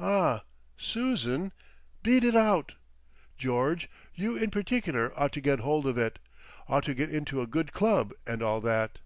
"Ah, Susan? Beat it out! George, you in particular ought to get hold of it. Ought to get into a good club, and all that."